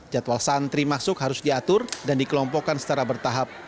jadwal santri masuk harus diatur dan dikelompokkan secara bertahap